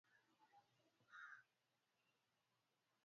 Mkuu wa Mkoa wa Mara ni